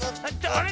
あれ？